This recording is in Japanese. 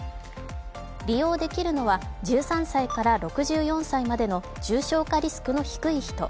利用できるのは１３歳から６４歳までの重症化リスクの低い人。